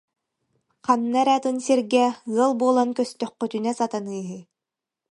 Ханна эрэ атын сиргэ, ыал булан көстөххүтүнэ сатаныыһы»